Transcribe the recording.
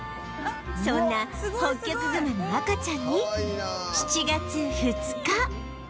そんなホッキョクグマの赤ちゃんに７月２日